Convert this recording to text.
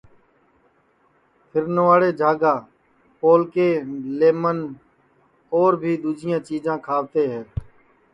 پھیرنواڑے جھاگا پولکے، نمن اور بھی دؔوجیاں چیجاں کھاوتے ہے